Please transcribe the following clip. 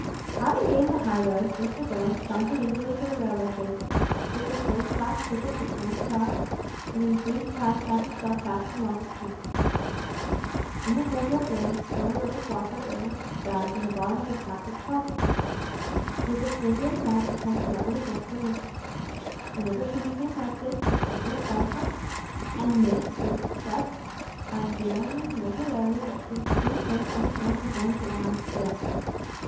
Having gained the high road, Mr Bones sauntered easily to the railway station, took a third class ticket for Charing Cross, and in due time found himself passing along the Strand. In the course of that journey poor little Floppart lay on its back in the bottom of its captor's pocket, with a finger and thumb gently pressing her windpipe. Whenever she became restive, the finger and thumb tightened, and this with such unvarying regularity that she soon came to understand the advantage of lying still.